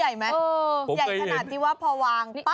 ยกเราะ